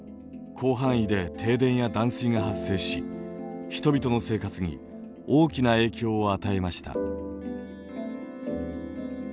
広範囲で停電や断水が発生し人々の生活に大きな影響を与えました。